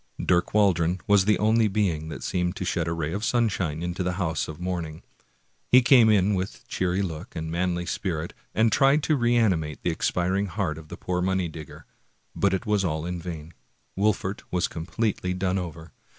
Dirk Waldron was the only being that seemed to shed a ray of sunshine into this house of mourning. He came in with cheery look and manly spirit, and tried to reanimate the expiring heart of the poor money digger, but it was all in vain. Wolfert was completely done over.